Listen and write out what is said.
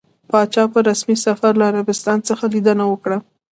پاچا په رسمي سفر له عربستان څخه ليدنه وکړه.